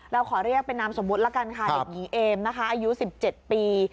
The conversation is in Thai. เราขอเรียกเป็นนามสมมุติละกันค่ะเด็กหญิงเอมนะคะอายุ๑๗ปี